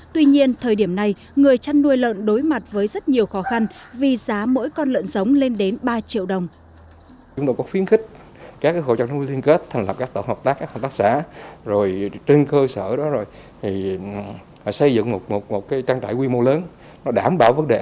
tuy nhiên thời điểm này người chăn nuôi lợn đối mặt với rất nhiều khó khăn vì giá mỗi con lợn giống lên đến ba triệu đồng